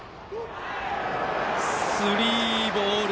スリーボール。